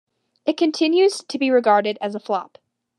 It continues to be regarded as a flop.